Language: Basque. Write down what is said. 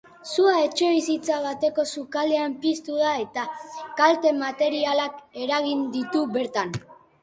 Sua etxebizitza bateko sukaldean piztu da eta kalte materialak eragin ditu bertan.